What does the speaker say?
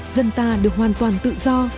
dân ta được hoàn toàn tự do